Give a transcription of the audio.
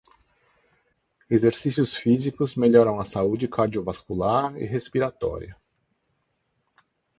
Exercícios físicos melhoram a saúde cardiovascular e respiratória.